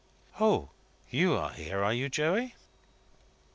"O! You are here, are you, Joey?"